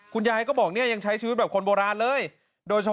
คุณยายก็บอกเนี่ยยังใช้ชีวิตแบบคนโบราณเลยโดยเฉพาะ